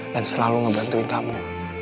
dan selalu ngebantuin kamu